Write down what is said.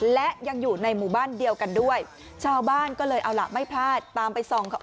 และยังอยู่ในหมู่บ้านเดียวกันด้วยชาวบ้านก็เลยเอาล่ะไม่พลาดตามไปส่องเขา